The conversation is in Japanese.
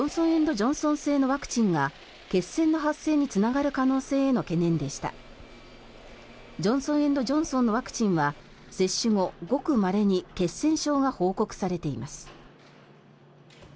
ジョンソン・エンド・ジョンソンのワクチンは接種後、ごくまれに血栓症が報告されています。